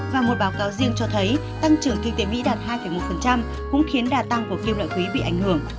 và một báo cáo riêng cho thấy tăng trưởng kinh tế mỹ đạt hai một cũng khiến đà tăng của kim loại quý bị ảnh hưởng